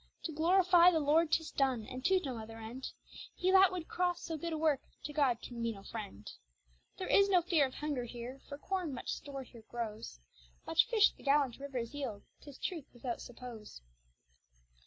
To glorifie the lord tis done; and to no other end; He that would crosse so good a work, to God can be no friend. There is no feare of hunger here for corne much store here growes, Much fish the gallant rivers yeild, tis truth without suppose.